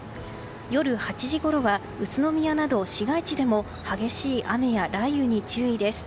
夜８時ごろは宇都宮など、市街地でも激しい雨や雷雨に注意です。